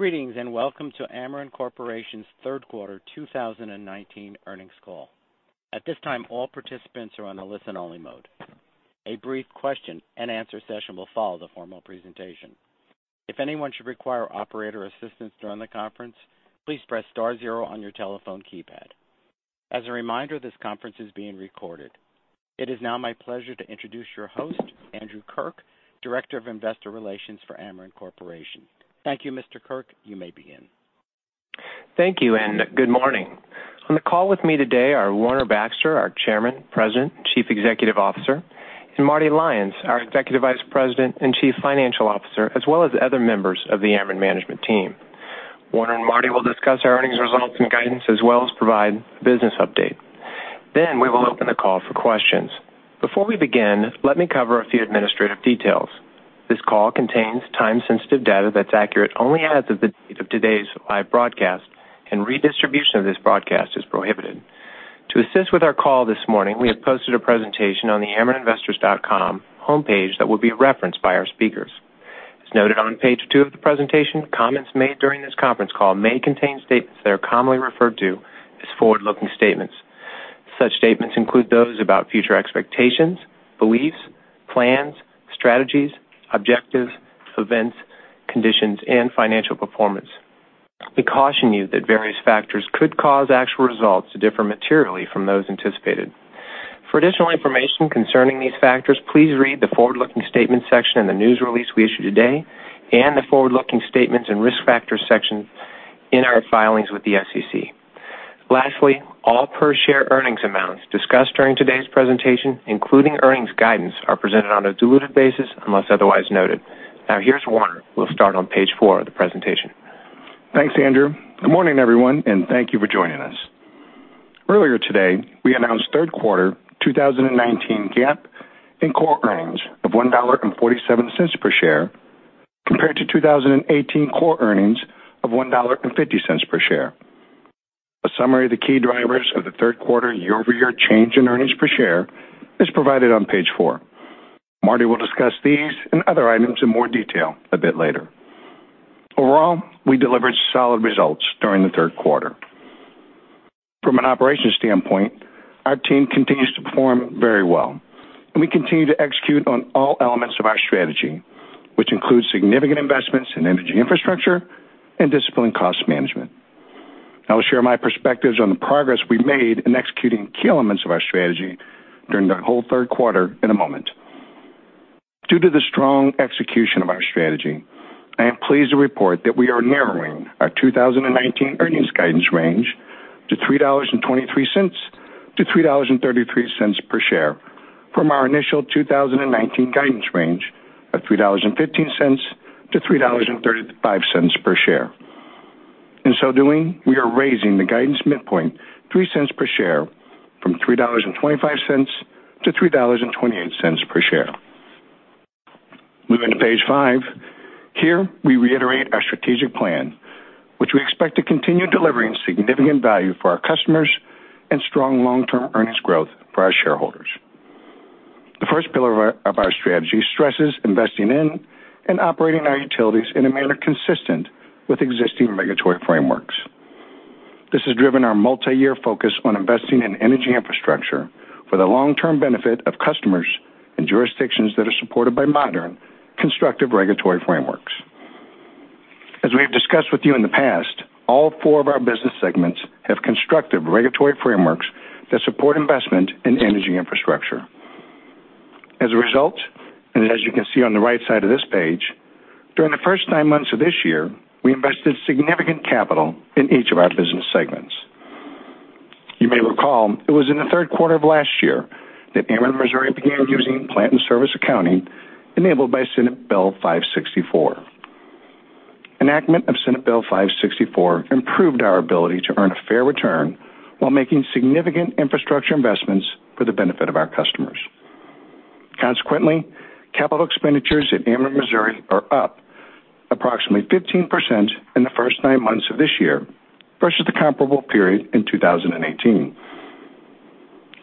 Greetings, welcome to Ameren Corporation's third quarter 2019 earnings call. At this time, all participants are on a listen-only mode. A brief question-and-answer session will follow the formal presentation. If anyone should require operator assistance during the conference, please press star zero on your telephone keypad. As a reminder, this conference is being recorded. It is now my pleasure to introduce your host, Andrew Kirk, Director of Investor Relations for Ameren Corporation. Thank you, Mr. Kirk. You may begin. Thank you, good morning. On the call with me today are Warner Baxter, our Chairman, President, and Chief Executive Officer, and Marty Lyons, our Executive Vice President and Chief Financial Officer, as well as other members of the Ameren management team. Warner and Marty will discuss our earnings results and guidance, as well as provide business update. We will open the call for questions. Before we begin, let me cover a few administrative details. This call contains time-sensitive data that's accurate only as of the date of today's live broadcast, and redistribution of this broadcast is prohibited. To assist with our call this morning, we have posted a presentation on the amereninvestors.com homepage that will be referenced by our speakers. As noted on page two of the presentation, comments made during this conference call may contain statements that are commonly referred to as forward-looking statements. Such statements include those about future expectations, beliefs, plans, strategies, objectives, events, conditions, and financial performance. We caution you that various factors could cause actual results to differ materially from those anticipated. For additional information concerning these factors, please read the forward-looking statements section in the news release we issued today and the forward-looking statements and risk factors section in our filings with the SEC. Lastly, all per-share earnings amounts discussed during today's presentation, including earnings guidance, are presented on a diluted basis unless otherwise noted. Now here's Warner, who will start on page four of the presentation. Thanks, Andrew. Good morning, everyone, and thank you for joining us. Earlier today, we announced third quarter 2019 GAAP and core earnings of $1.47 per share, compared to 2018 core earnings of $1.50 per share. A summary of the key drivers of the third quarter year-over-year change in earnings per share is provided on page four. Marty will discuss these and other items in more detail a bit later. Overall, we delivered solid results during the third quarter. From an operations standpoint, our team continues to perform very well, and we continue to execute on all elements of our strategy, which includes significant investments in energy infrastructure and disciplined cost management. I will share my perspectives on the progress we made in executing key elements of our strategy during the whole third quarter in a moment. Due to the strong execution of our strategy, I am pleased to report that we are narrowing our 2019 earnings guidance range to $3.23-$3.33 per share from our initial 2019 guidance range of $3.15-$3.35 per share. In so doing, we are raising the guidance midpoint $0.03 per share from $3.25-$3.28 per share. Moving to page five. Here, we reiterate our strategic plan, which we expect to continue delivering significant value for our customers and strong long-term earnings growth for our shareholders. The first pillar of our strategy stresses investing in and operating our utilities in a manner consistent with existing regulatory frameworks. This has driven our multi-year focus on investing in energy infrastructure for the long-term benefit of customers and jurisdictions that are supported by modern, constructive regulatory frameworks. As we have discussed with you in the past, all four of our business segments have constructive regulatory frameworks that support investment in energy infrastructure. As a result, and as you can see on the right side of this page, during the first nine months of this year, we invested significant capital in each of our business segments. You may recall, it was in the third quarter of last year that Ameren Missouri began using plant-in-service accounting enabled by Senate Bill 564. Enactment of Senate Bill 564 improved our ability to earn a fair return while making significant infrastructure investments for the benefit of our customers. Consequently, capital expenditures at Ameren Missouri are up approximately 15% in the first nine months of this year versus the comparable period in 2018.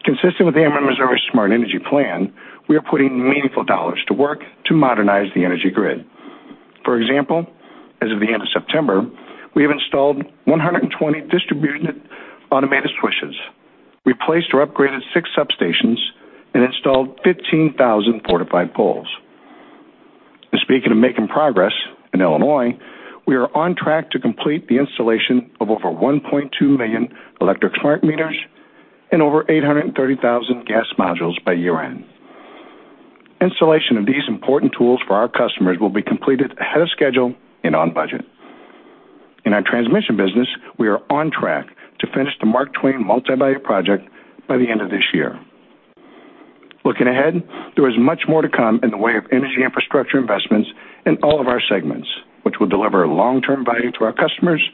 Consistent with Ameren Missouri's Smart Energy Plan, we are putting meaningful dollars to work to modernize the energy grid. For example, as of the end of September, we have installed 120 distribution automated switches, replaced or upgraded six substations, and installed 15,000 fortified poles. Speaking of making progress, in Illinois, we are on track to complete the installation of over 1.2 million electric smart meters and over 830,000 gas modules by year-end. Installation of these important tools for our customers will be completed ahead of schedule and on budget. In our transmission business, we are on track to finish the Mark Twain Transmission Project by the end of this year. Looking ahead, there is much more to come in the way of energy infrastructure investments in all of our segments, which will deliver long-term value to our customers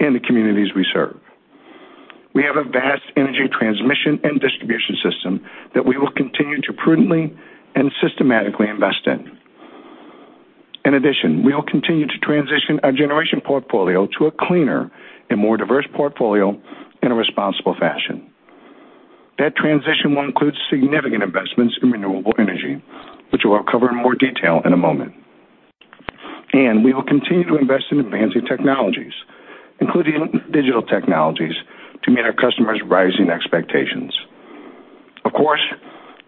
and the communities we serve. We have a vast energy transmission and distribution system that we will continue to prudently and systematically invest in. We will continue to transition our generation portfolio to a cleaner and more diverse portfolio in a responsible fashion. That transition will include significant investments in renewable energy, which I will cover in more detail in a moment. We will continue to invest in advancing technologies, including digital technologies, to meet our customers' rising expectations. Of course,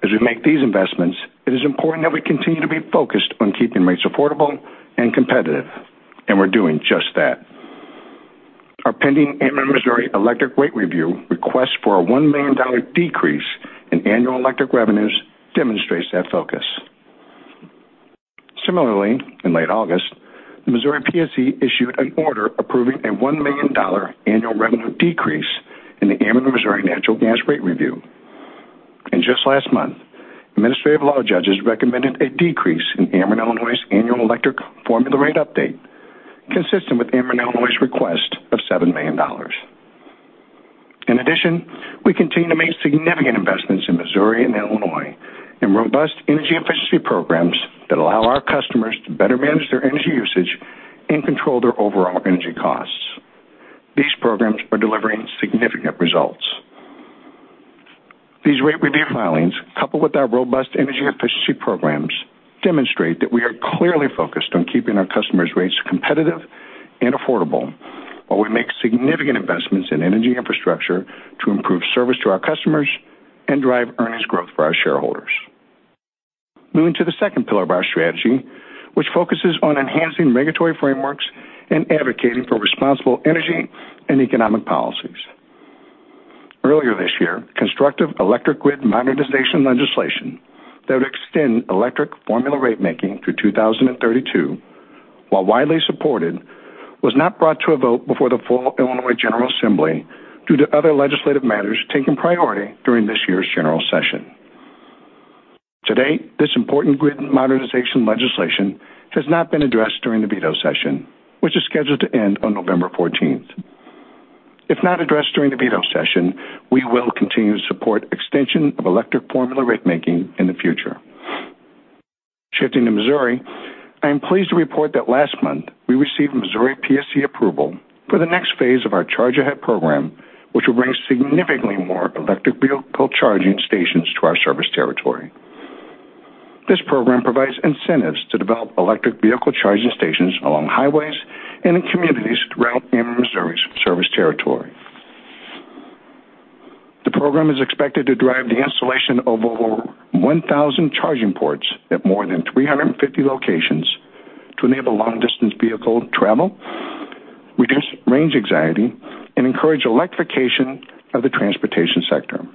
as we make these investments, it is important that we continue to be focused on keeping rates affordable and competitive, and we're doing just that. Our pending Ameren Missouri electric rate review request for a $1 million decrease in annual electric revenues demonstrates that focus. Similarly, in late August, the Missouri PSC issued an order approving a $1 million annual revenue decrease in the Ameren Missouri natural gas rate review. Just last month, administrative law judges recommended a decrease in Ameren Illinois' annual electric formula rate update, consistent with Ameren Illinois' request of $7 million. In addition, we continue to make significant investments in Missouri and Illinois in robust energy efficiency programs that allow our customers to better manage their energy usage and control their overall energy costs. These programs are delivering significant results. These rate review filings, coupled with our robust energy efficiency programs, demonstrate that we are clearly focused on keeping our customers' rates competitive and affordable while we make significant investments in energy infrastructure to improve service to our customers and drive earnings growth for our shareholders. Moving to the second pillar of our strategy, which focuses on enhancing regulatory frameworks and advocating for responsible energy and economic policies. Earlier this year, constructive electric grid modernization legislation that would extend electric formula rate making through 2032, while widely supported, was not brought to a vote before the full Illinois General Assembly due to other legislative matters taking priority during this year's general session. To date, this important grid modernization legislation has not been addressed during the veto session, which is scheduled to end on November 14th. If not addressed during the veto session, we will continue to support extension of electric formula rate making in the future. Shifting to Missouri, I am pleased to report that last month we received Missouri PSC approval for the next phase of our Charge Ahead program, which will bring significantly more electric vehicle charging stations to our service territory. This program provides incentives to develop electric vehicle charging stations along highways and in communities throughout Ameren Missouri's service territory. The program is expected to drive the installation of over 1,000 charging ports at more than 350 locations to enable long-distance vehicle travel, reduce range anxiety, and encourage electrification of the transportation sector.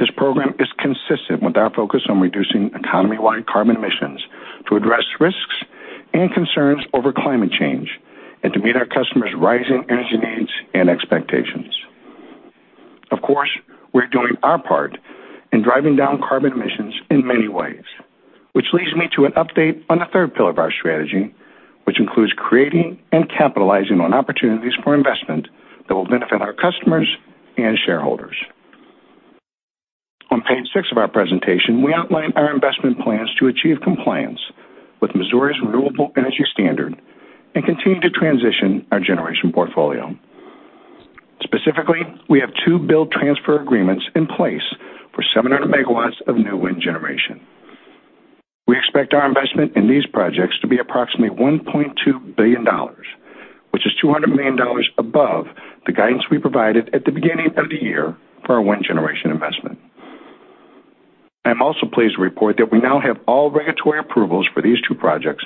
This program is consistent with our focus on reducing economy-wide carbon emissions to address risks and concerns over climate change, and to meet our customers' rising energy needs and expectations. Of course, we're doing our part in driving down carbon emissions in many ways, which leads me to an update on the third pillar of our strategy, which includes creating and capitalizing on opportunities for investment that will benefit our customers and shareholders. On page six of our presentation, we outline our investment plans to achieve compliance with Missouri's Renewable Energy Standard and continue to transition our generation portfolio. Specifically, we have two build transfer agreements in place for 700 megawatts of new wind generation. We expect our investment in these projects to be approximately $1.2 billion, which is $200 million above the guidance we provided at the beginning of the year for our wind generation investment. I'm also pleased to report that we now have all regulatory approvals for these two projects,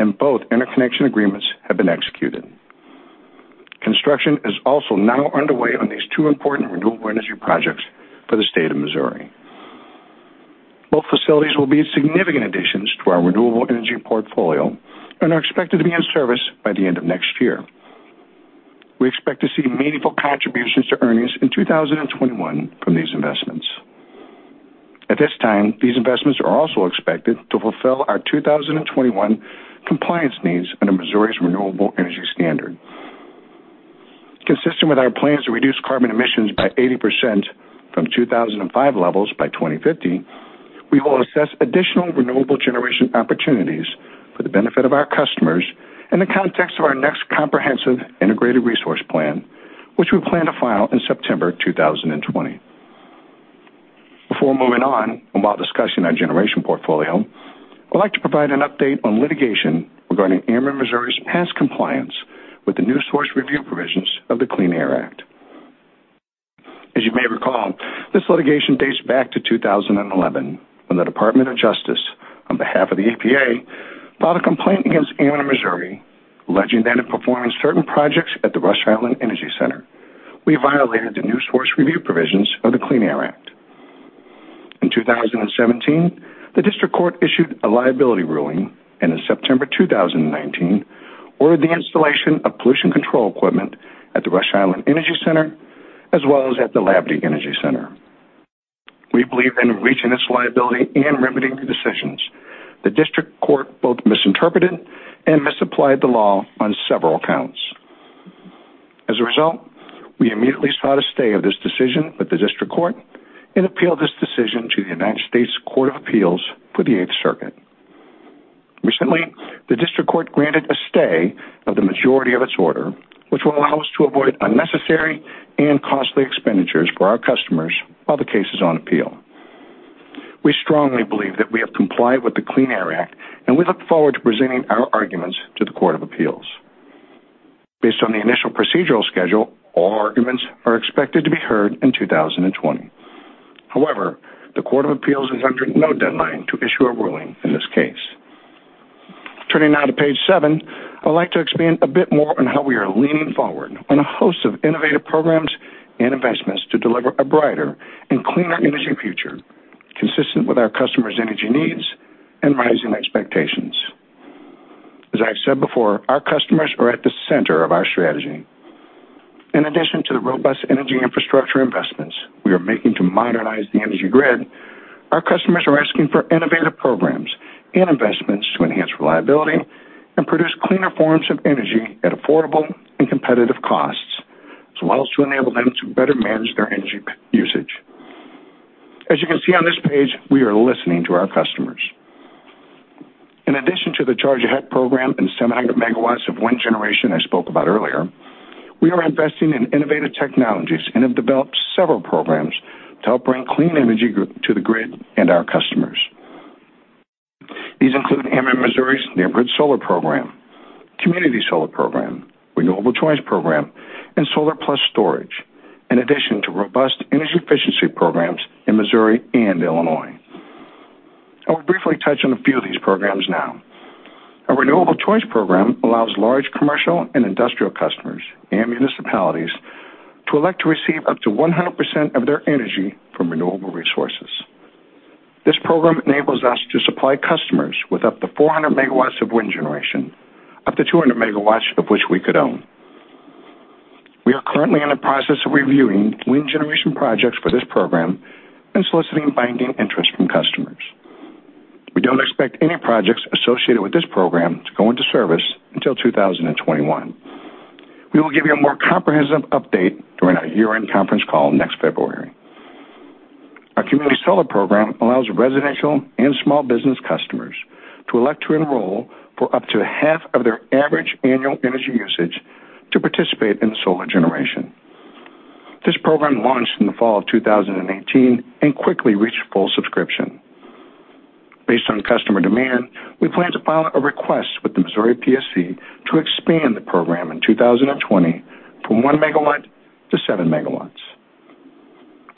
and both interconnection agreements have been executed. Construction is also now underway on these two important renewable energy projects for the state of Missouri. Both facilities will be significant additions to our renewable energy portfolio and are expected to be in service by the end of next year. We expect to see meaningful contributions to earnings in 2021 from these investments. At this time, these investments are also expected to fulfill our 2021 compliance needs under Missouri's Renewable Energy Standard. Consistent with our plans to reduce carbon emissions by 80% from 2005 levels by 2050, we will assess additional renewable generation opportunities for the benefit of our customers in the context of our next comprehensive integrated resource plan, which we plan to file in September 2020. Before moving on, and while discussing our generation portfolio, I'd like to provide an update on litigation regarding Ameren Missouri's past compliance with the New Source Review provisions of the Clean Air Act. As you may recall, this litigation dates back to 2011 when the Department of Justice, on behalf of the EPA, filed a complaint against Ameren Missouri alleging that in performing certain projects at the Rush Island Energy Center, we violated the New Source Review provisions of the Clean Air Act. In 2017, the district court issued a liability ruling, and in September 2019, ordered the installation of pollution control equipment at the Rush Island Energy Center, as well as at the Labadie Energy Center. We believe in reaching this liability and remedying the decisions, the district court both misinterpreted and misapplied the law on several counts. As a result, we immediately sought a stay of this decision with the district court and appealed this decision to the United States Court of Appeals for the Eighth Circuit. Recently, the district court granted a stay of the majority of its order, which will allow us to avoid unnecessary and costly expenditures for our customers while the case is on appeal. We strongly believe that we have complied with the Clean Air Act, and we look forward to presenting our arguments to the Court of Appeals. Based on the initial procedural schedule, all arguments are expected to be heard in 2020. However, the Court of Appeals has entered no deadline to issue a ruling in this case. Turning now to page seven, I'd like to expand a bit more on how we are leaning forward on a host of innovative programs and investments to deliver a brighter and cleaner energy future consistent with our customers' energy needs and rising expectations. As I have said before, our customers are at the center of our strategy. In addition to the robust energy infrastructure investments we are making to modernize the energy grid, our customers are asking for innovative programs and investments to enhance reliability and produce cleaner forms of energy at affordable and competitive costs, as well as to enable them to better manage their energy usage. As you can see on this page, we are listening to our customers. In addition to the Charge Ahead program and 700 megawatts of wind generation I spoke about earlier, we are investing in innovative technologies and have developed several programs to help bring clean energy to the grid and our customers. These include Ameren Missouri's Neighborhood Solar program, Community Solar program, Renewable Choice program, and Solar + Storage, in addition to robust energy efficiency programs in Missouri and Illinois. I will briefly touch on a few of these programs now. Our Renewable Choice program allows large commercial and industrial customers and municipalities to elect to receive up to 100% of their energy from renewable resources. This program enables us to supply customers with up to 400 megawatts of wind generation, up to 200 megawatts of which we could own. We are currently in the process of reviewing wind generation projects for this program and soliciting binding interest from customers. We don't expect any projects associated with this program to go into service until 2021. We will give you a more comprehensive update during our year-end conference call next February. Our Community Solar program allows residential and small business customers to elect to enroll for up to half of their average annual energy usage to participate in solar generation. This program launched in the fall of 2018 and quickly reached full subscription. Based on customer demand, we plan to file a request with the Missouri PSC to expand the program in 2020 from 1 megawatt to 7 megawatts.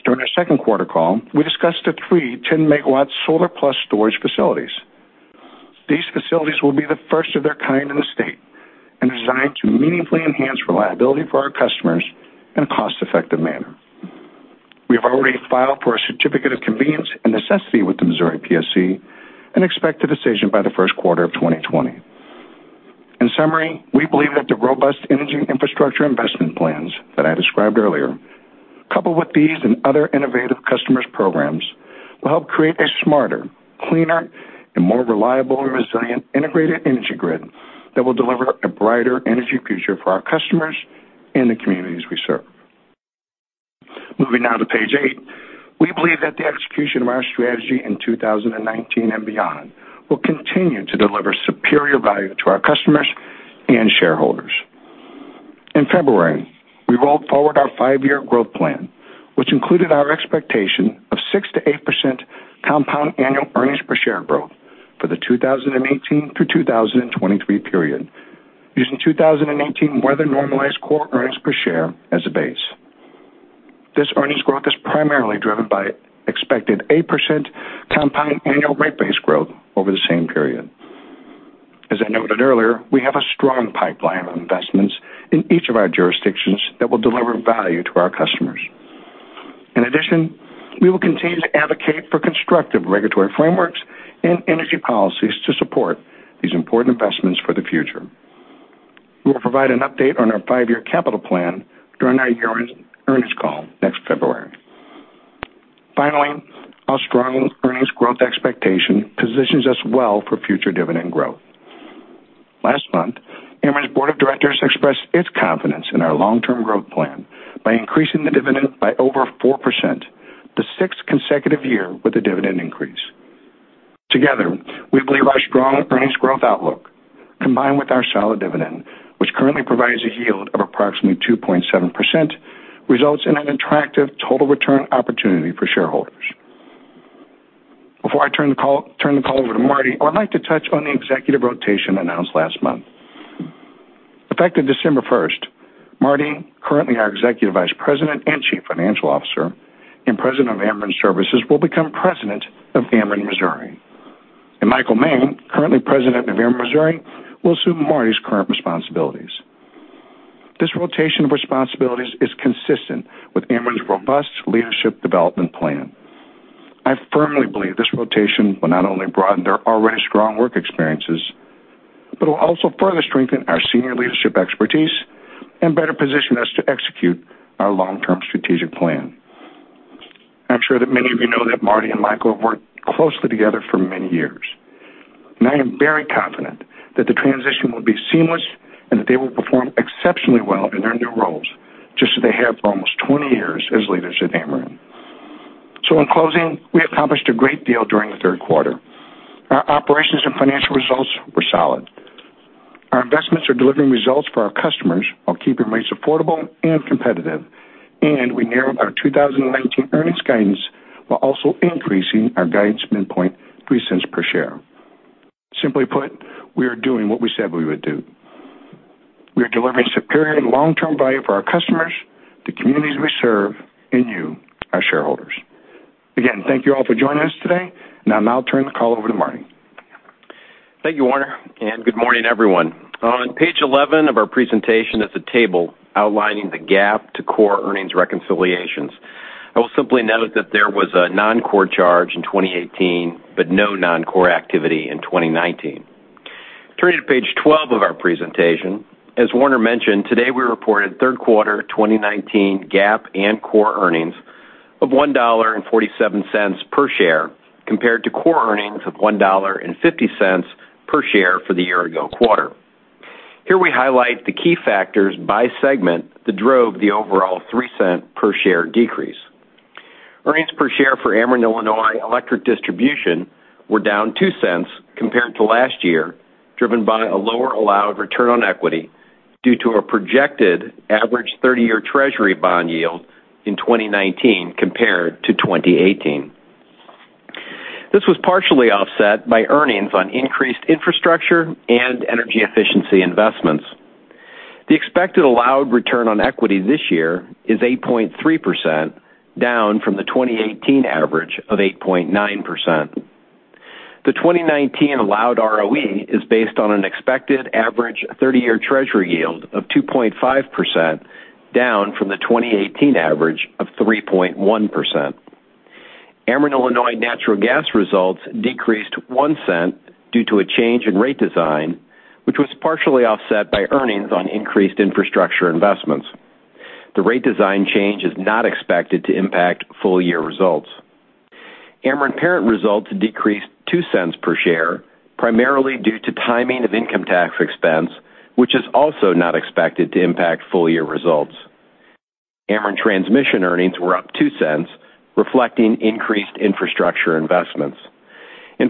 During our second quarter call, we discussed the 3 10-megawatt Solar + Storage facilities. These facilities will be the first of their kind in the state and are designed to meaningfully enhance reliability for our customers in a cost-effective manner. We have already filed for a certificate of convenience and necessity with the Missouri PSC and expect a decision by the first quarter of 2020. In summary, we believe that the robust energy infrastructure investment plans that I described earlier, coupled with these and other innovative customers programs, will help create a smarter, cleaner, and more reliable and resilient integrated energy grid that will deliver a brighter energy future for our customers and the communities we serve. Moving now to page eight. We believe that the execution of our strategy in 2019 and beyond will continue to deliver superior value to our customers and shareholders. In February, we rolled forward our five-year growth plan, which included our expectation of 6%-8% compound annual earnings per share growth for the 2018-2023 period, using 2018 weather-normalized core earnings per share as a base. This earnings growth is primarily driven by expected 8% compound annual rate base growth over the same period. As I noted earlier, we have a strong pipeline of investments in each of our jurisdictions that will deliver value to our customers. We will continue to advocate for constructive regulatory frameworks and energy policies to support these important investments for the future. We will provide an update on our five-year capital plan during our year-end earnings call next February. Our strong earnings growth expectation positions us well for future dividend growth. Last month, Ameren's board of directors expressed its confidence in our long-term growth plan by increasing the dividend by over 4%, the sixth consecutive year with a dividend increase. Together, we believe our strong earnings growth outlook, combined with our solid dividend, which currently provides a yield of approximately 2.7%, results in an attractive total return opportunity for shareholders. Before I turn the call over to Marty, I'd like to touch on the executive rotation announced last month. Effective December 1st, Marty, currently our Executive Vice President and Chief Financial Officer, and President of Ameren Services, will become President of Ameren Missouri. Michael Moehn, currently President of Ameren Missouri, will assume Marty's current responsibilities. This rotation of responsibilities is consistent with Ameren's robust leadership development plan. I firmly believe this rotation will not only broaden their already strong work experiences, but will also further strengthen our senior leadership expertise and better position us to execute our long-term strategic plan. I'm sure that many of you know that Marty and Michael have worked closely together for many years. I am very confident that the transition will be seamless and that they will perform exceptionally well in their new roles, just as they have for almost 20 years as leaders at Ameren. In closing, we accomplished a great deal during the third quarter. Our operations and financial results were solid. Our investments are delivering results for our customers while keeping rates affordable and competitive. We narrowed our 2019 earnings guidance while also increasing our guidance midpoint $0.03 per share. Simply put, we are doing what we said we would do. We are delivering superior long-term value for our customers, the communities we serve, and you, our shareholders. Again, thank you all for joining us today. I'll now turn the call over to Marty. Thank you, Warner. Good morning, everyone. On page 11 of our presentation is a table outlining the GAAP to core earnings reconciliations. I will simply note that there was a non-core charge in 2018, but no non-core activity in 2019. Turning to page 12 of our presentation. As Warner mentioned, today, we reported third quarter 2019 GAAP and core earnings of $1.47 per share compared to core earnings of $1.50 per share for the year-ago quarter. Here we highlight the key factors by segment that drove the overall $0.03 per share decrease. Earnings per share for Ameren Illinois Electric Distribution were down $0.02 compared to last year, driven by a lower allowed return on equity due to a projected average 30-year Treasury bond yield in 2019 compared to 2018. This was partially offset by earnings on increased infrastructure and energy efficiency investments. The expected allowed return on equity this year is 8.3%, down from the 2018 average of 8.9%. The 2019 allowed ROE is based on an expected average 30-year Treasury yield of 2.5%, down from the 2018 average of 3.1%. Ameren Illinois Natural Gas results decreased $0.01 due to a change in rate design, which was partially offset by earnings on increased infrastructure investments. The rate design change is not expected to impact full-year results. Ameren Parent results decreased $0.02 per share, primarily due to timing of income tax expense, which is also not expected to impact full-year results. Ameren Transmission earnings were up $0.02, reflecting increased infrastructure investments.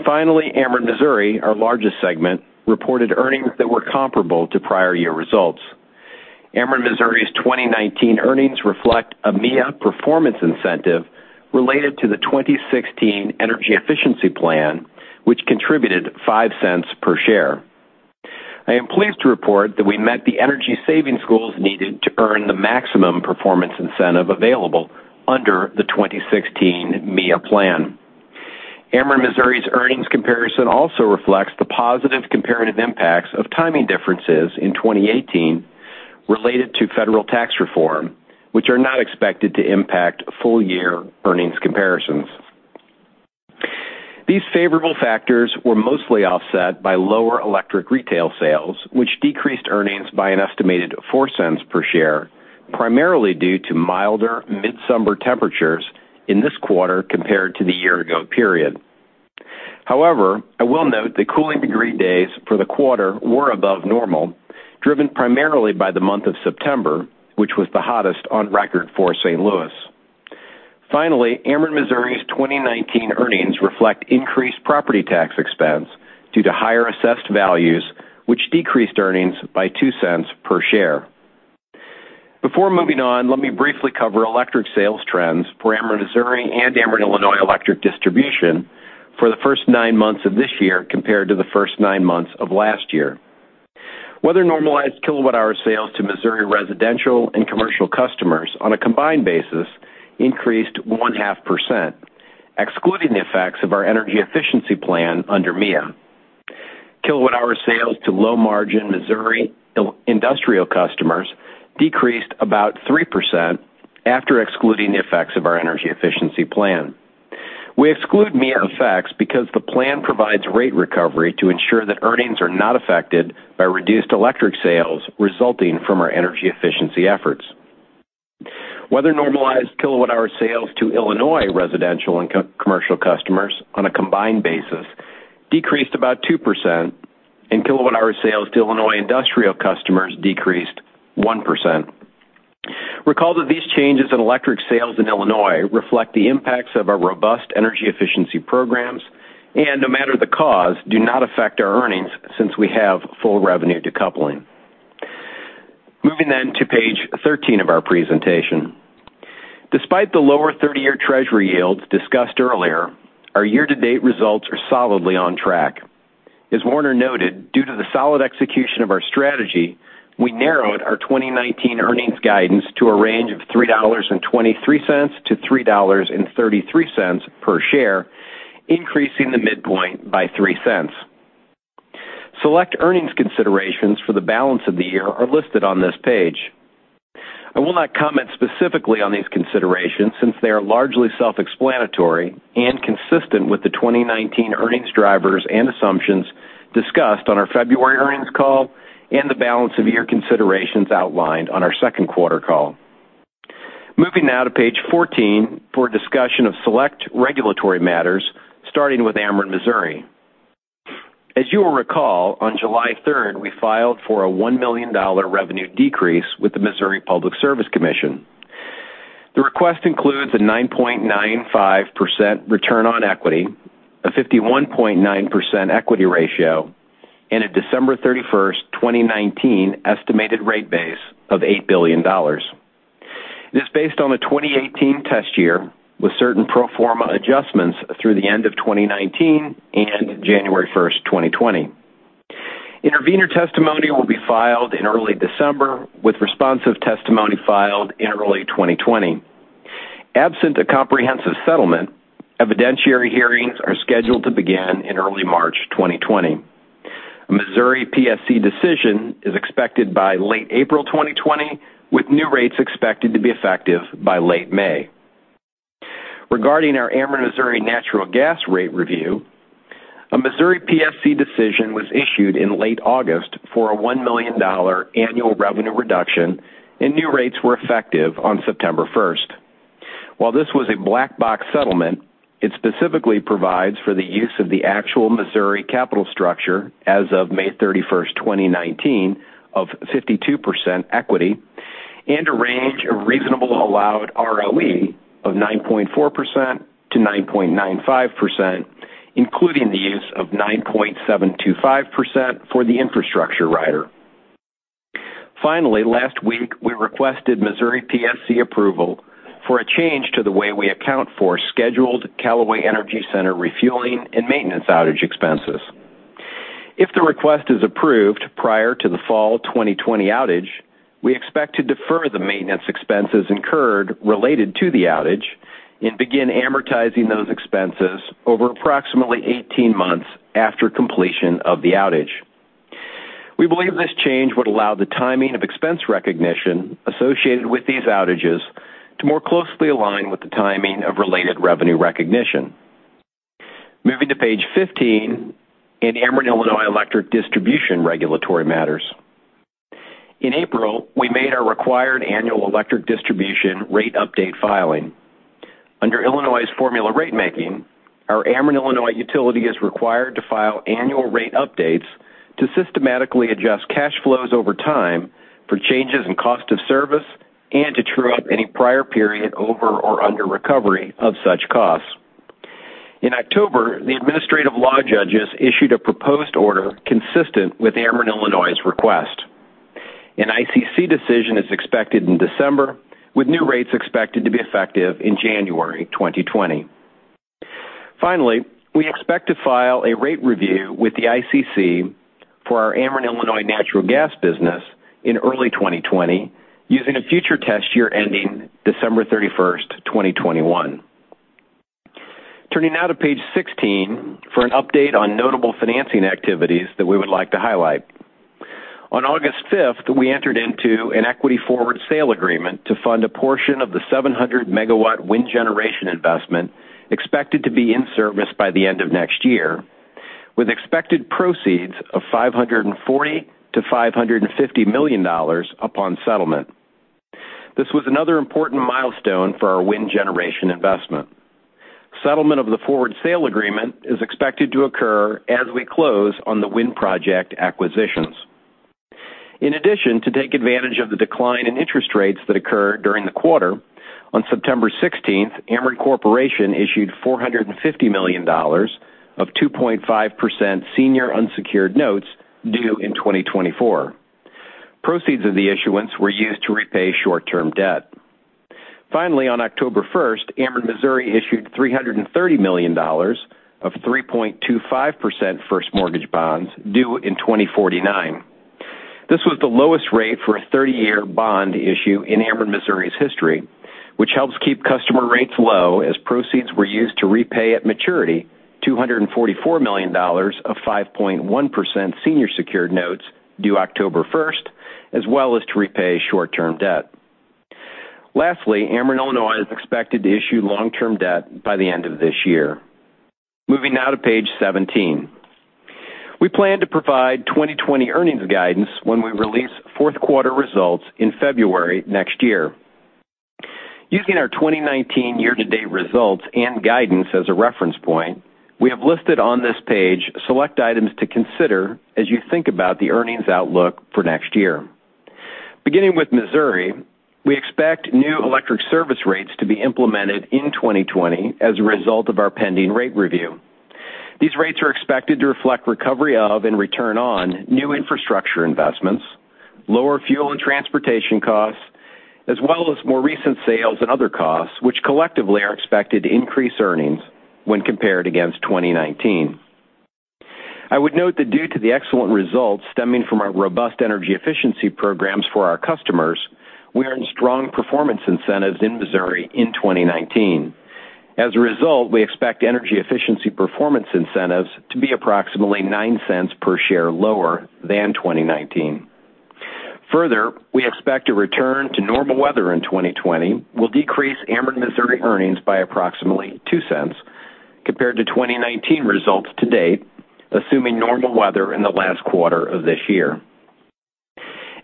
Finally, Ameren Missouri, our largest segment, reported earnings that were comparable to prior year results. Ameren Missouri's 2019 earnings reflect a MIA performance incentive related to the 2016 energy efficiency plan, which contributed $0.05 per share. I am pleased to report that we met the energy savings goals needed to earn the maximum performance incentive available under the 2016 MIA plan. Ameren Missouri's earnings comparison also reflects the positive comparative impacts of timing differences in 2018 related to federal tax reform, which are not expected to impact full-year earnings comparisons. These favorable factors were mostly offset by lower electric retail sales, which decreased earnings by an estimated $0.04 per share, primarily due to milder midsummer temperatures in this quarter compared to the year-ago period. However, I will note the cooling degree days for the quarter were above normal, driven primarily by the month of September, which was the hottest on record for St. Louis. Finally, Ameren Missouri's 2019 earnings reflect increased property tax expense due to higher assessed values, which decreased earnings by $0.02 per share. Before moving on, let me briefly cover electric sales trends for Ameren Missouri and Ameren Illinois Electric Distribution for the first nine months of this year compared to the first nine months of last year. Weather-normalized kilowatt-hour sales to Missouri residential and commercial customers on a combined basis increased 0.5%, excluding the effects of our energy efficiency plan under MIA. Kilowatt-hour sales to low-margin Missouri industrial customers decreased about 3% after excluding the effects of our energy efficiency plan. We exclude MIA effects because the plan provides rate recovery to ensure that earnings are not affected by reduced electric sales resulting from our energy efficiency efforts. Weather-normalized kilowatt-hour sales to Illinois residential and commercial customers on a combined basis decreased about 2%, and kilowatt-hour sales to Illinois industrial customers decreased 1%. Recall that these changes in electric sales in Illinois reflect the impacts of our robust energy efficiency programs and, no matter the cause, do not affect our earnings since we have full revenue decoupling. Moving to page 13 of our presentation. Despite the lower 30-year Treasury yields discussed earlier, our year-to-date results are solidly on track. As Warner noted, due to the solid execution of our strategy, we narrowed our 2019 earnings guidance to a range of $3.23-$3.33 per share, increasing the midpoint by $0.03. Select earnings considerations for the balance of the year are listed on this page. I will not comment specifically on these considerations since they are largely self-explanatory and consistent with the 2019 earnings drivers and assumptions discussed on our February earnings call and the balance-of-year considerations outlined on our second quarter call. Moving now to page 14 for a discussion of select regulatory matters, starting with Ameren Missouri. As you will recall, on July 3rd, we filed for a $1 million revenue decrease with the Missouri Public Service Commission. The request includes a 9.95% return on equity, a 51.9% equity ratio, and a December 31st, 2019 estimated rate base of $8 billion. It is based on the 2018 test year with certain pro forma adjustments through the end of 2019 and January 1st, 2020. Intervenor testimony will be filed in early December with responsive testimony filed in early 2020. Absent a comprehensive settlement, evidentiary hearings are scheduled to begin in early March 2020. A Missouri PSC decision is expected by late April 2020, with new rates expected to be effective by late May. Regarding our Ameren Missouri natural gas rate review, a Missouri PSC decision was issued in late August for a $1 million annual revenue reduction, and new rates were effective on September 1st. While this was a black-box settlement, it specifically provides for the use of the actual Missouri capital structure as of May 31st, 2019 of 52% equity and a range of reasonable allowed ROE of 9.4%-9.95%, including the use of 9.725% for the infrastructure rider. Finally, last week, we requested Missouri PSC approval for a change to the way we account for scheduled Callaway Energy Center refueling and maintenance outage expenses. If the request is approved prior to the fall 2020 outage, we expect to defer the maintenance expenses incurred related to the outage and begin amortizing those expenses over approximately 18 months after completion of the outage. We believe this change would allow the timing of expense recognition associated with these outages to more closely align with the timing of related revenue recognition. Moving to page 15 in Ameren Illinois Electric Distribution regulatory matters. In April, we made our required annual electric distribution rate update filing. Under Illinois' formula rate making, our Ameren Illinois utility is required to file annual rate updates to systematically adjust cash flows over time for changes in cost of service and to true-up any prior period over or under recovery of such costs. In October, the administrative law judges issued a proposed order consistent with Ameren Illinois' request. An ICC decision is expected in December, with new rates expected to be effective in January 2020. We expect to file a rate review with the ICC for our Ameren Illinois Natural Gas business in early 2020 using a future test year ending December 31, 2021. Turning now to page 16 for an update on notable financing activities that we would like to highlight. On August 5, we entered into an equity forward sale agreement to fund a portion of the 700-megawatt wind generation investment expected to be in service by the end of next year, with expected proceeds of $540 million-$550 million upon settlement. This was another important milestone for our wind generation investment. Settlement of the forward sale agreement is expected to occur as we close on the wind project acquisitions. In addition, to take advantage of the decline in interest rates that occurred during the quarter, on September 16, Ameren Corporation issued $450 million of 2.5% senior unsecured notes due in 2024. Proceeds of the issuance were used to repay short-term debt. Finally, on October 1st, Ameren Missouri issued $330 million of 3.25% first mortgage bonds due in 2049. This was the lowest rate for a 30-year bond issue in Ameren Missouri's history, which helps keep customer rates low as proceeds were used to repay at maturity $244 million of 5.1% senior secured notes due October 1st, as well as to repay short-term debt. Lastly, Ameren Illinois is expected to issue long-term debt by the end of this year. Moving now to page 17. We plan to provide 2020 earnings guidance when we release fourth quarter results in February next year. Using our 2019 year-to-date results and guidance as a reference point, we have listed on this page select items to consider as you think about the earnings outlook for next year. Beginning with Missouri, we expect new electric service rates to be implemented in 2020 as a result of our pending rate review. These rates are expected to reflect recovery of and return on new infrastructure investments, lower fuel and transportation costs, as well as more recent sales and other costs, which collectively are expected to increase earnings when compared against 2019. I would note that due to the excellent results stemming from our robust energy efficiency programs for our customers, we earned strong performance incentives in Missouri in 2019. As a result, we expect energy efficiency performance incentives to be approximately $0.09 per share lower than 2019. Further, we expect a return to normal weather in 2020 will decrease Ameren Missouri earnings by approximately $0.02 compared to 2019 results to date, assuming normal weather in the last quarter of this year.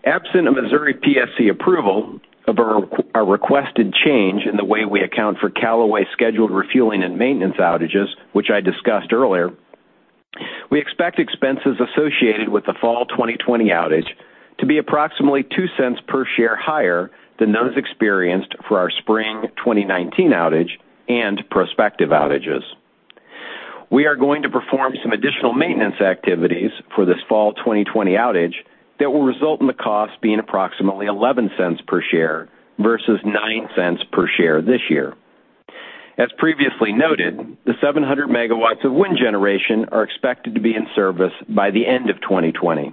Absent a Missouri PSC approval of our requested change in the way we account for Callaway scheduled refueling and maintenance outages, which I discussed earlier, we expect expenses associated with the fall 2020 outage to be approximately $0.02 per share higher than those experienced for our spring 2019 outage and prospective outages. We are going to perform some additional maintenance activities for this fall 2020 outage that will result in the cost being approximately $0.11 per share versus $0.09 per share this year. As previously noted, the 700 MW of wind generation are expected to be in service by the end of 2020.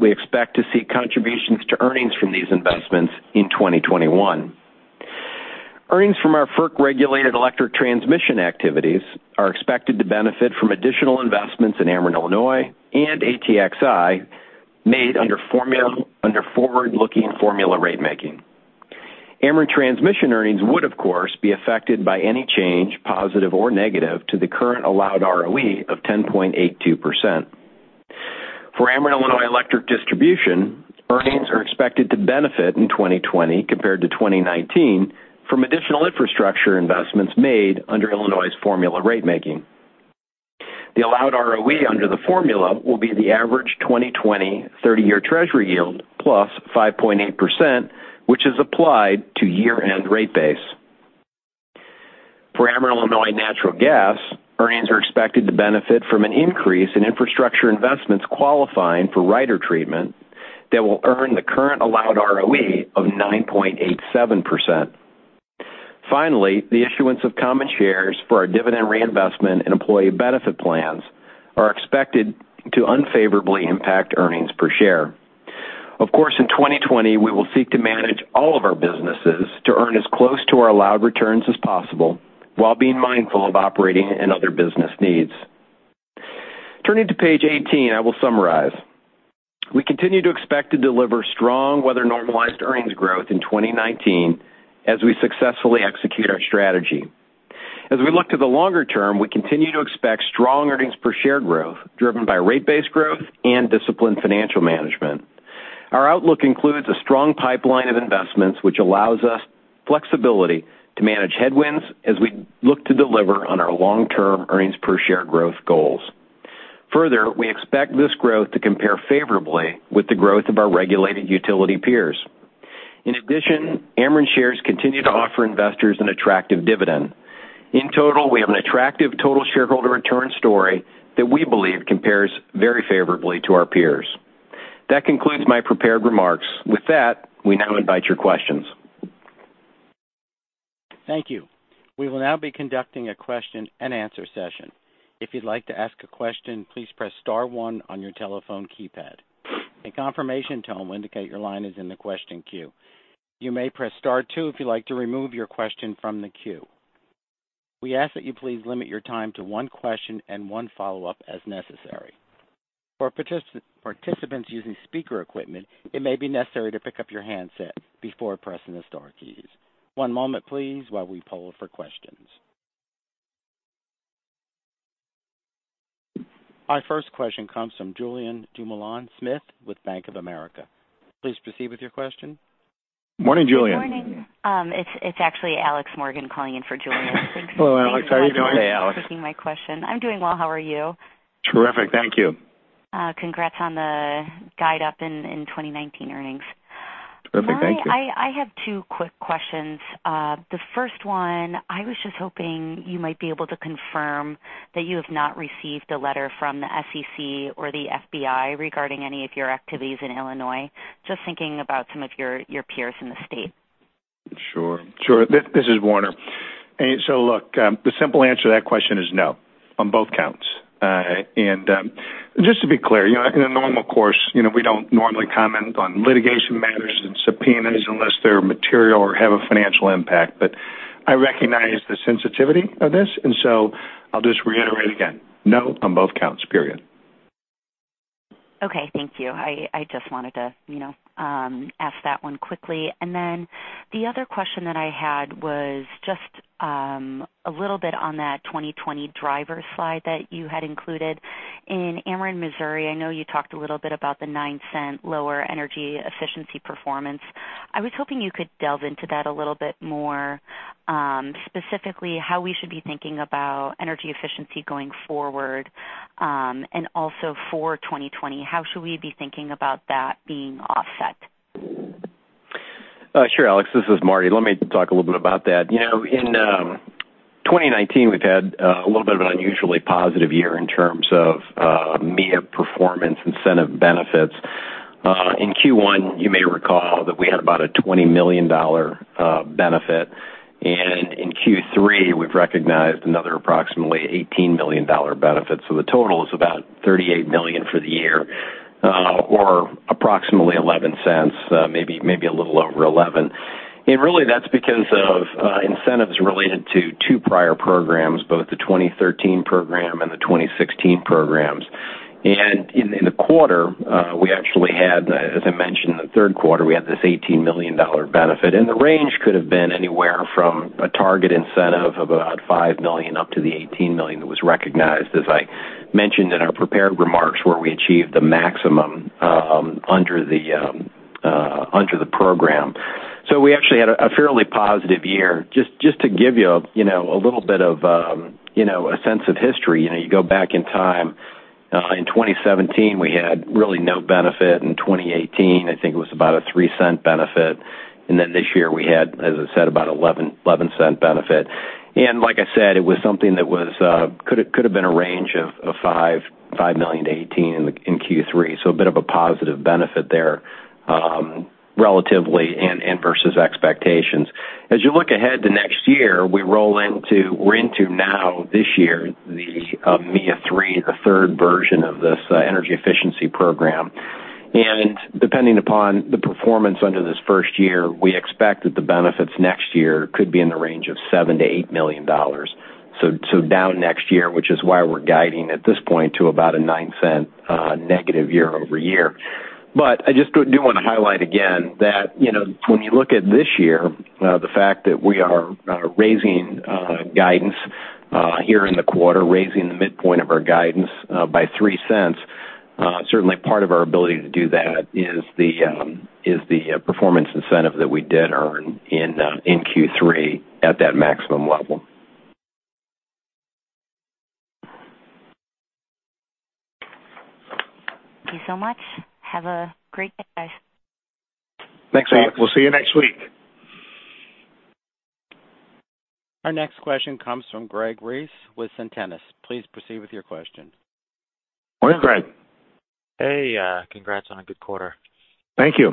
We expect to see contributions to earnings from these investments in 2021. Earnings from our FERC-regulated electric transmission activities are expected to benefit from additional investments in Ameren Illinois and ATXI made under forward-looking formula ratemaking. Ameren Transmission earnings would, of course, be affected by any change, positive or negative, to the current allowed ROE of 10.82%. For Ameren Illinois Electric Distribution, earnings are expected to benefit in 2020 compared to 2019 from additional infrastructure investments made under Illinois' formula ratemaking. The allowed ROE under the formula will be the average 2020 30-year Treasury yield plus 5.8%, which is applied to year-end rate base. For Ameren Illinois Natural Gas, earnings are expected to benefit from an increase in infrastructure investments qualifying for rider treatment that will earn the current allowed ROE of 9.87%. Finally, the issuance of common shares for our dividend reinvestment and employee benefit plans are expected to unfavorably impact earnings per share. Of course, in 2020, we will seek to manage all of our businesses to earn as close to our allowed returns as possible while being mindful of operating and other business needs. Turning to page 18, I will summarize. We continue to expect to deliver strong weather-normalized earnings growth in 2019 as we successfully execute our strategy. As we look to the longer term, we continue to expect strong earnings per share growth driven by rate base growth and disciplined financial management. Our outlook includes a strong pipeline of investments, which allows us flexibility to manage headwinds as we look to deliver on our long-term earnings per share growth goals. Further, we expect this growth to compare favorably with the growth of our regulated utility peers. In addition, Ameren shares continue to offer investors an attractive dividend. In total, we have an attractive total shareholder return story that we believe compares very favorably to our peers. That concludes my prepared remarks. With that, we now invite your questions. Thank you. We will now be conducting a question-and-answer session. If you'd like to ask a question, please press star onne on your telephone keypad. A confirmation tone will indicate your line is in the question queue. You may press star two if you'd like to remove your question from the queue. We ask that you please limit your time to one question and one follow-up as necessary. For participants using speaker equipment, it may be necessary to pick up your handset before pressing the star keys. One moment, please, while we poll for questions. Our first question comes from Julien Dumoulin-Smith with Bank of America. Please proceed with your question. Morning, Julien. Good morning. It's actually Alex Morgan calling in for Julien. Thanks. Hello, Alex. How are you doing? Good day, Alex. Thanks so much for taking my question. I'm doing well. How are you? Terrific, thank you. Congrats on the guide up in 2019 earnings. Perfect. Thank you. I have two quick questions. The first one, I was just hoping you might be able to confirm that you have not received a letter from the SEC or the FBI regarding any of your activities in Illinois, just thinking about some of your peers in the state. Sure. This is Warner. Look, the simple answer to that question is no on both counts. Just to be clear, in a normal course, we don't normally comment on litigation matters and subpoenas unless they're material or have a financial impact. I recognize the sensitivity of this, I'll just reiterate again, no on both counts, period. Okay, thank you. I just wanted to ask that one quickly. The other question that I had was just a little bit on that 2020 driver slide that you had included. In Ameren Missouri, I know you talked a little bit about the $0.09 lower energy efficiency performance. I was hoping you could delve into that a little bit more, specifically how we should be thinking about energy efficiency going forward. Also for 2020, how should we be thinking about that being offset? Sure, Alex. This is Marty. Let me talk a little bit about that. In 2019, we've had a little bit of an unusually positive year in terms of MIA performance incentive benefits. In Q1, you may recall that we had about a $20 million benefit. In Q3, we've recognized another approximately $18 million benefit. The total is about $38 million for the year, or approximately $0.11, maybe a little over $0.11. Really that's because of incentives related to two prior programs, both the 2013 program and the 2016 programs. In the quarter, we actually had, as I mentioned, in the third quarter, we had this $18 million benefit. The range could have been anywhere from a target incentive of about $5 million up to the $18 million that was recognized, as I mentioned in our prepared remarks, where we achieved the maximum under the program. We actually had a fairly positive year. Just to give you a little bit of a sense of history. You go back in time, in 2017, we had really no benefit. In 2018, I think it was about a $0.03 benefit. Then this year we had, as I said, about $0.11 benefit. Like I said, it was something that could have been a range of $5 million-$18 million in Q3. A bit of a positive benefit there relatively and versus expectations. As you look ahead to next year, we roll into now this year, the MIA 3, the third version of this energy efficiency program. Depending upon the performance under this first year, we expect that the benefits next year could be in the range of $7 million-$8 million. Down next year, which is why we're guiding at this point to about a $0.09 negative year-over-year. I just do want to highlight again that when you look at this year, the fact that we are raising guidance here in the quarter, raising the midpoint of our guidance by $0.03, certainly part of our ability to do that is the performance incentive that we did earn in Q3 at that maximum level. Thank you so much. Have a great day, guys. Thanks. We'll see you next week. Our next question comes from Greg Reiss with Centenus. Please proceed with your question. Morning, Greg. Hey, congrats on a good quarter. Thank you.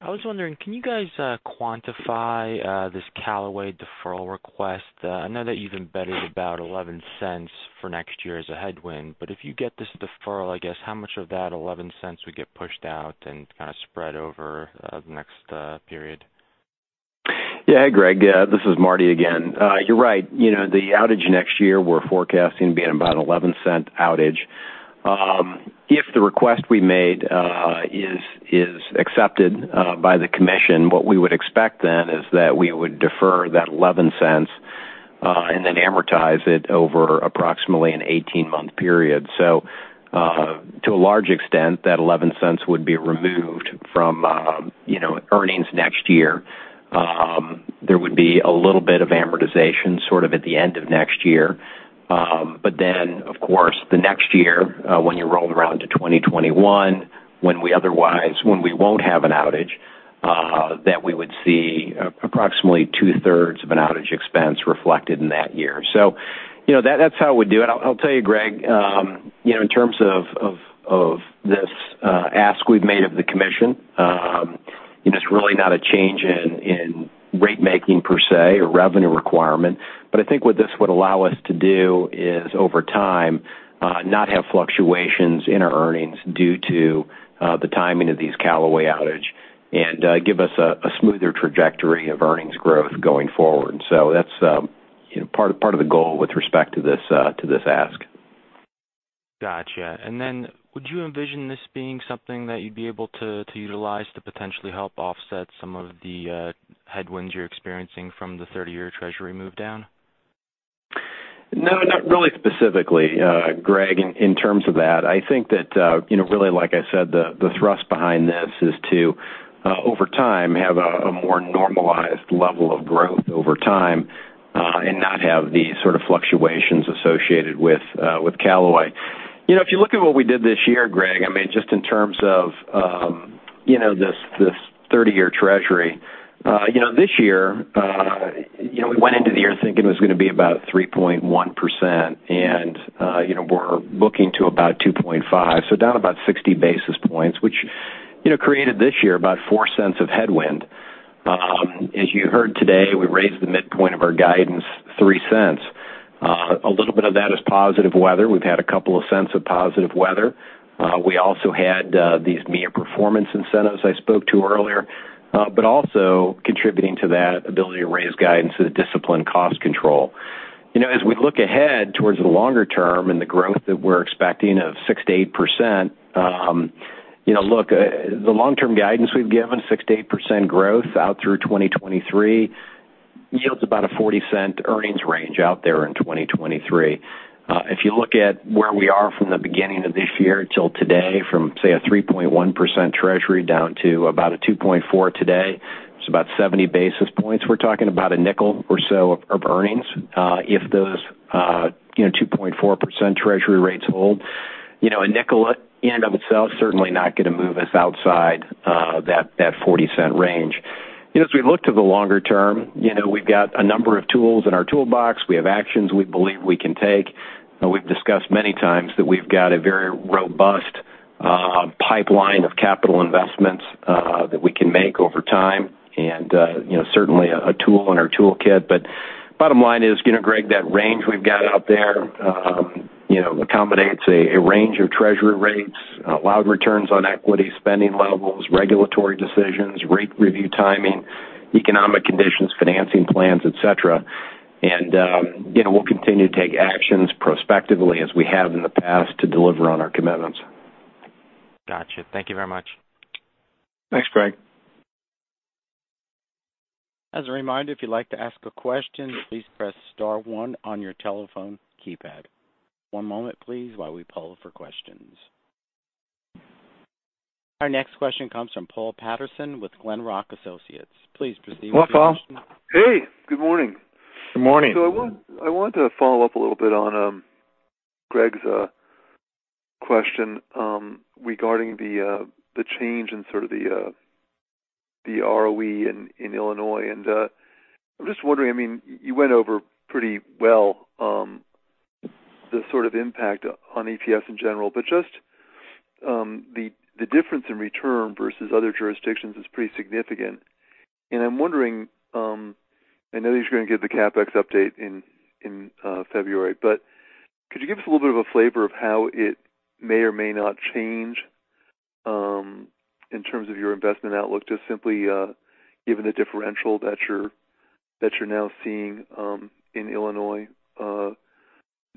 I was wondering, can you guys quantify this Callaway deferral request? I know that you've embedded about $0.11 for next year as a headwind, but if you get this deferral, I guess, how much of that $0.11 would get pushed out and kind of spread over the next period? Yeah. Hey, Greg. This is Marty again. You're right. The outage next year we're forecasting to be at about $0.11 outage. If the request we made is accepted by the commission, what we would expect then is that we would defer that $0.11 and then amortize it over approximately an 18-month period. To a large extent, that $0.11 would be removed from earnings next year. There would be a little bit of amortization sort of at the end of next year. Of course, the next year, when you roll around to 2021, when we won't have an outage, that we would see approximately two-thirds of an outage expense reflected in that year. That's how we'd do it. I'll tell you, Greg, in terms of this ask we've made of the commission, it's really not a change in rate making per se or revenue requirement. I think what this would allow us to do is over time not have fluctuations in our earnings due to the timing of these Callaway outage and give us a smoother trajectory of earnings growth going forward. That's part of the goal with respect to this ask. Got you. Would you envision this being something that you'd be able to utilize to potentially help offset some of the headwinds you're experiencing from the 30-year Treasury move down? No, not really specifically, Greg, in terms of that. I think that really like I said, the thrust behind this is to, over time, have a more normalized level of growth over time, and not have the sort of fluctuations associated with Callaway. If you look at what we did this year, Greg, just in terms of this 30-year Treasury. This year, we went into the year thinking it was going to be about 3.1%, and we're booking to about 2.5%. Down about 60 basis points, which created this year about $0.04 of headwind. As you heard today, we raised the midpoint of our guidance $0.03. A little bit of that is positive weather. We've had $0.02 of positive weather. We also had these MIA performance incentives I spoke to earlier. Also contributing to that ability to raise guidance is the disciplined cost control. As we look ahead towards the longer term and the growth that we're expecting of 6%-8%, look, the long-term guidance we've given, 6%-8% growth out through 2023, yields about a $0.40 earnings range out there in 2023. If you look at where we are from the beginning of this year till today, from say a 3.1% Treasury down to about a 2.4% today, it's about 70 basis points. We're talking about a $0.05 or so of earnings. If those 2.4% Treasury rates hold. A $0.05 in and of itself is certainly not going to move us outside that $0.40 range. As we look to the longer term, we've got a number of tools in our toolbox. We have actions we believe we can take. We've discussed many times that we've got a very robust pipeline of capital investments that we can make over time. Certainly a tool in our toolkit. Bottom line is, Greg, that range we've got out there accommodates a range of treasury rates, allowed returns on equity, spending levels, regulatory decisions, rate review timing, economic conditions, financing plans, et cetera. We'll continue to take actions prospectively as we have in the past to deliver on our commitments. Got you. Thank you very much. Thanks, Greg. As a reminder, if you'd like to ask a question, please press star one on your telephone keypad. One moment, please, while we poll for questions. Our next question comes from Paul Patterson with Glenrock Associates. Please proceed with your question. Hey, good morning. Good morning. I want to follow up a little bit on Greg's question regarding the change in sort of the ROE in Illinois. I'm just wondering, you went over pretty well the sort of impact on ETFs in general, but just the difference in return versus other jurisdictions is pretty significant. I'm wondering, I know you're going to give the CapEx update in February, but could you give us a little bit of a flavor of how it may or may not change in terms of your investment outlook, just simply given the differential that you're now seeing in Illinois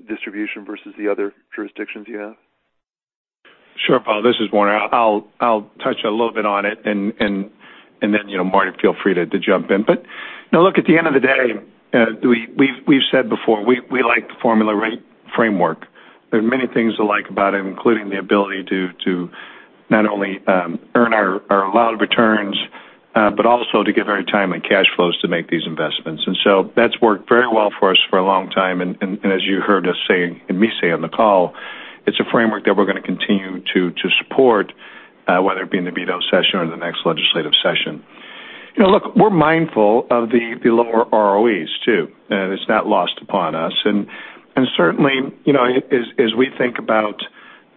distribution versus the other jurisdictions you have? Sure, Paul. This is Warner. I'll touch a little bit on it. Then, Marty, feel free to jump in. Look, at the end of the day, we've said before, we like the formula rate framework. There are many things to like about it, including the ability to not only earn our allowed returns, but also to give our time and cash flows to make these investments. That's worked very well for us for a long time, and as you heard me say on the call, it's a framework that we're going to continue to support, whether it be in the veto session or the next legislative session. Look, we're mindful of the lower ROEs, too, and it's not lost upon us. Certainly, as we think about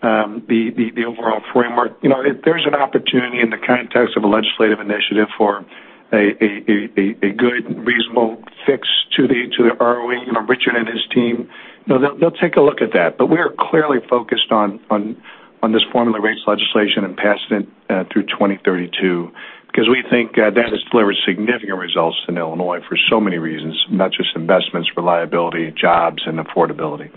the overall framework, if there's an opportunity in the context of a legislative initiative for a good, reasonable fix to the ROE, Richard and his team, they'll take a look at that. We are clearly focused on this formula rates legislation and passing it through 2032 because we think that has delivered significant results in Illinois for so many reasons, not just investments, reliability, jobs, and affordability.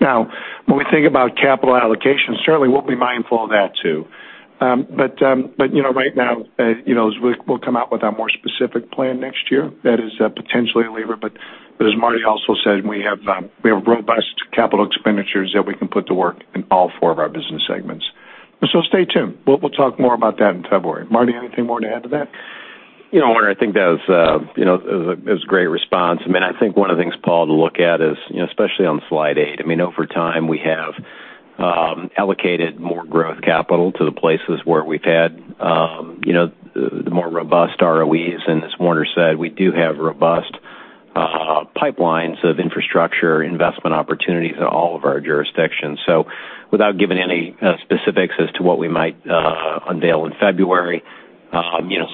When we think about capital allocation, certainly we'll be mindful of that, too. Right now, as we'll come out with our more specific plan next year, that is potentially a lever. As Marty also said, we have robust capital expenditures that we can put to work in all 4 of our business segments. Stay tuned. We'll talk more about that in February. Marty, anything more to add to that? Warner, I think that was a great response. I think one of the things, Paul, to look at is, especially on slide eight, over time, we have allocated more growth capital to the places where we've had the more robust ROEs. As Warner said, we do have robust pipelines of infrastructure investment opportunities in all of our jurisdictions. Without giving any specifics as to what we might unveil in February,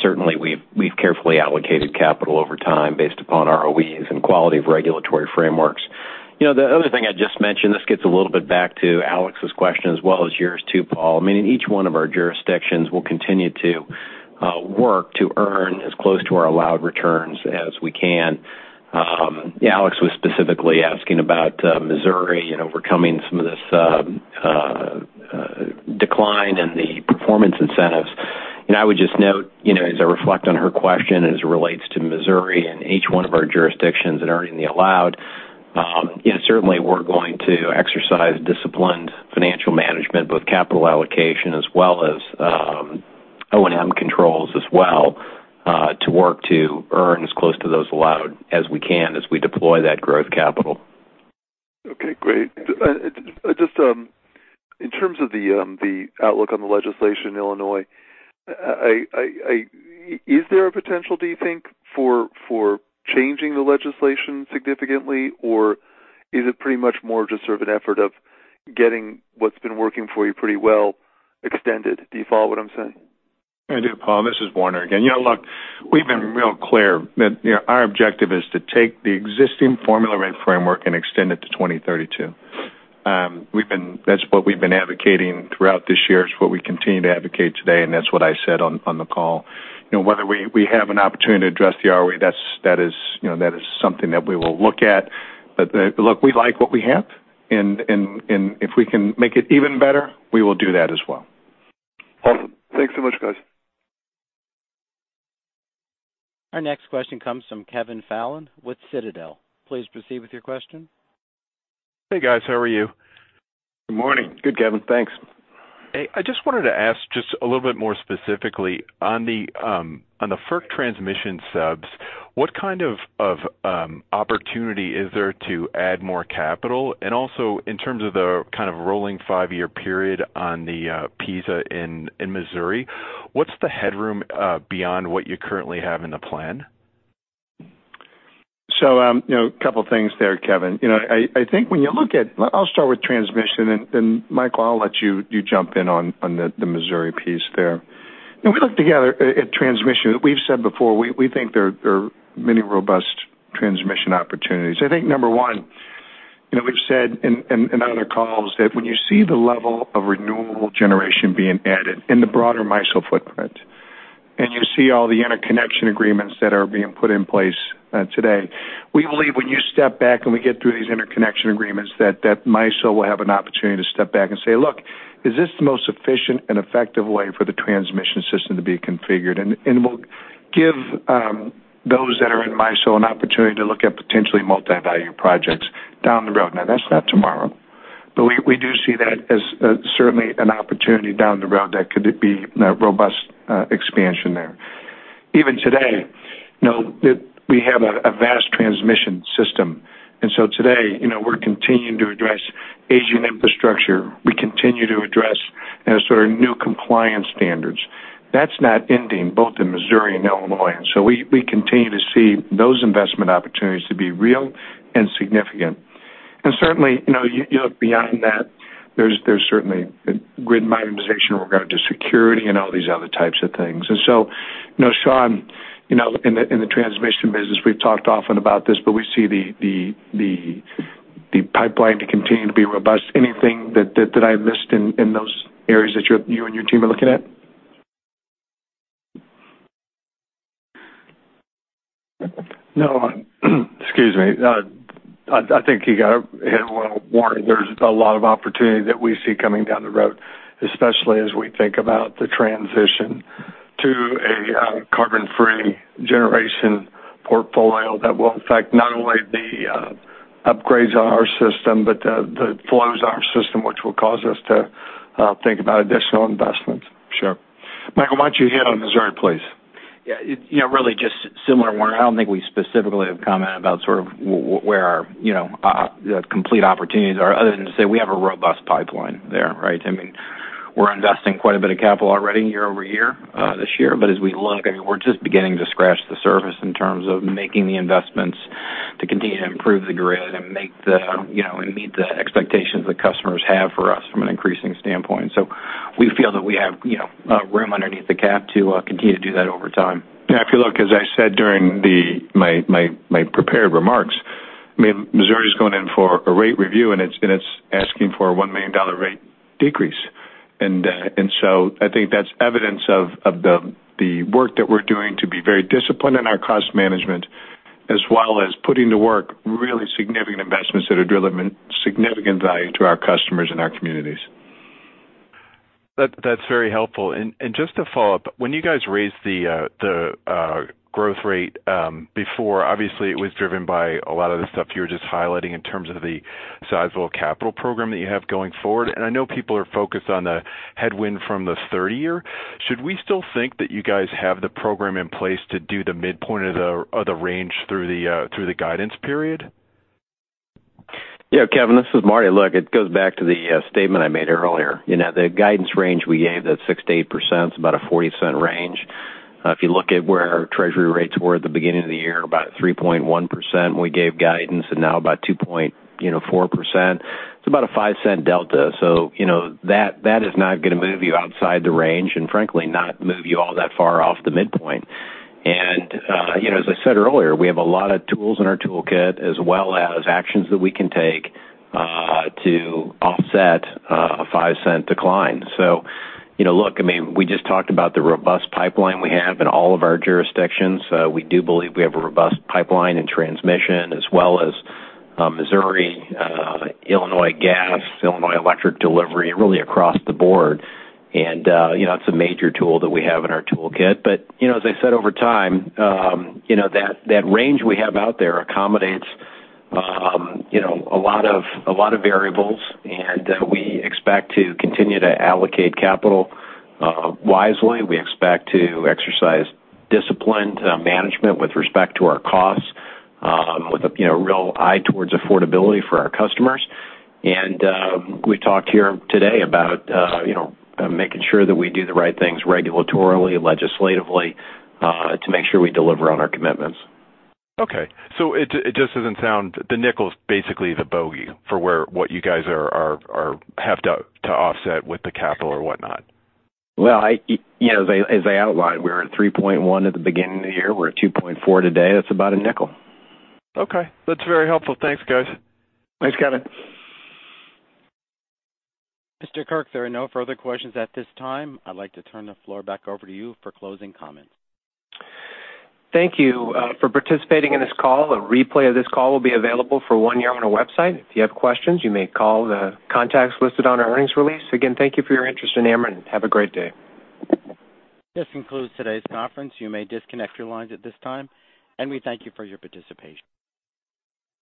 certainly we've carefully allocated capital over time based upon ROEs and quality of regulatory frameworks. The other thing I'd just mention, this gets a little bit back to Alex's question as well as yours too, Paul. In each one of our jurisdictions, we'll continue to work to earn as close to our allowed returns as we can. Alex was specifically asking about Missouri and overcoming some of this decline in the performance incentives. I would just note, as I reflect on her question as it relates to Missouri and each one of our jurisdictions and earning the allowed, certainly we're going to exercise disciplined financial management, both capital allocation as well as O&M controls as well, to work to earn as close to those allowed as we can as we deploy that growth capital. Okay, great. Just in terms of the outlook on the legislation in Illinois, is there a potential, do you think, for changing the legislation significantly? Is it pretty much more just sort of an effort of getting what's been working for you pretty well extended? Do you follow what I'm saying? I do, Paul. This is Warner again. Look, we've been real clear that our objective is to take the existing formula rate framework and extend it to 2032. That's what we've been advocating throughout this year. It's what we continue to advocate today, and that's what I said on the call. Whether we have an opportunity to address the ROE, that is something that we will look at. Look, we like what we have, and if we can make it even better, we will do that as well. Awesome. Thanks so much, guys. Our next question comes from Kevin Fallon with Citadel. Please proceed with your question. Hey, guys. How are you? Good morning. Good, Kevin. Thanks. Hey, I just wanted to ask just a little bit more specifically on the FERC transmission subs, what kind of opportunity is there to add more capital? Also in terms of the kind of rolling five-year period on the PISA in Missouri, what's the headroom beyond what you currently have in the plan? A couple of things there, Kevin. I'll start with transmission, and then Michael, I'll let you jump in on the Missouri piece there. When we look together at transmission, we've said before, we think there are many robust transmission opportunities. I think number one, we've said in other calls that when you see the level of renewable generation being added in the broader MISO footprint, and you see all the interconnection agreements that are being put in place today, we believe when you step back and we get through these interconnection agreements, that MISO will have an opportunity to step back and say, "Look, is this the most efficient and effective way for the transmission system to be configured?" Will give those that are in MISO an opportunity to look at potentially multi-value projects down the road. That's not tomorrow, but we do see that as certainly an opportunity down the road that could be robust expansion there. Even today, we have a vast transmission system. Today, we're continuing to address aging infrastructure. We continue to address sort of new compliance standards. That's not ending both in Missouri and Illinois. We continue to see those investment opportunities to be real and significant. Certainly, you look beyond that, there's certainly grid modernization with regard to security and all these other types of things. Sean, in the transmission business, we've talked often about this, but we see the pipeline to continue to be robust. Anything that I missed in those areas that you and your team are looking at? No. Excuse me. I think you hit it well, Warner. There's a lot of opportunity that we see coming down the road, especially as we think about the transition to a carbon-free generation portfolio that will affect not only the upgrades on our system, but the flows on our system, which will cause us to think about additional investments. Sure. Michael, why don't you hit on Missouri, please? Yeah. Really just similar, Warner. I don't think we specifically have commented about sort of where our complete opportunities are other than to say we have a robust pipeline there, right? I mean, we're investing quite a bit of capital already year-over-year this year. As we look, I mean, we're just beginning to scratch the surface in terms of making the investments to continue to improve the grid and meet the expectations that customers have for us from an increasing standpoint. We feel that we have room underneath the cap to continue to do that over time. Yeah, if you look, as I said during my prepared remarks, I mean, Missouri is going in for a rate review, and it's asking for a $1 million rate decrease. And so I think that's evidence of the work that we're doing to be very disciplined in our cost management, as well as putting to work really significant investments that are delivering significant value to our customers and our communities. That's very helpful. Just to follow up, when you guys raised the growth rate before, obviously it was driven by a lot of the stuff you were just highlighting in terms of the sizable capital program that you have going forward. I know people are focused on the headwind from the third year. Should we still think that you guys have the program in place to do the midpoint of the range through the guidance period? Yeah, Kevin, this is Marty. Look, it goes back to the statement I made earlier. The guidance range we gave, that 6%-8%, is about a $0.40 range. If you look at where our Treasury rates were at the beginning of the year, about 3.1% when we gave guidance, and now about 2.4%, it's about a $0.05 delta. That is not going to move you outside the range and frankly, not move you all that far off the midpoint. As I said earlier, we have a lot of tools in our toolkit, as well as actions that we can take to offset a $0.05 decline. Look, I mean, we just talked about the robust pipeline we have in all of our jurisdictions. We do believe we have a robust pipeline in Transmission as well as Missouri, Illinois Gas, Illinois Electric Distribution, really across the board. That's a major tool that we have in our toolkit. As I said, over time, that range we have out there accommodates a lot of variables, and we expect to continue to allocate capital wisely. We expect to exercise disciplined management with respect to our costs, with a real eye towards affordability for our customers. We talked here today about making sure that we do the right things regulatorily, legislatively, to make sure we deliver on our commitments. Okay. It just doesn't sound, the $0.05 is basically the bogey for what you guys have to offset with the capital or whatnot. Well, as I outlined, we were at $3.1 at the beginning of the year. We're at $2.4 today. That's about $0.05. Okay. That's very helpful. Thanks, guys. Thanks, Kevin. Mr. Kirk, there are no further questions at this time. I'd like to turn the floor back over to you for closing comments. Thank you for participating in this call. A replay of this call will be available for one year on our website. If you have questions, you may call the contacts listed on our earnings release. Again, thank you for your interest in Ameren. Have a great day. This concludes today's conference. You may disconnect your lines at this time, and we thank you for your participation.